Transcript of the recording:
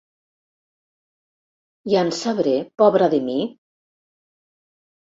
Ja en sabré, pobra de mi?